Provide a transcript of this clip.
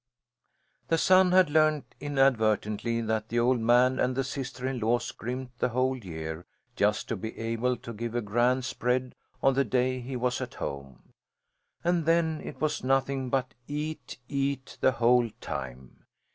The son had learned inadvertently that the old man and the sister in law scrimped the whole year just to be able to give a grand spread on the day he was at home. And then it was nothing but eat, eat the whole time!